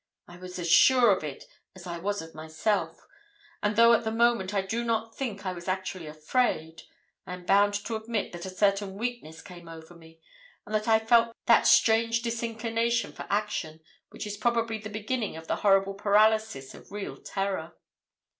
I was as sure of it as I was of myself, and though at the moment I do not think I was actually afraid, I am bound to admit that a certain weakness came over me and that I felt that strange disinclination for action which is probably the beginning of the horrible paralysis of real terror.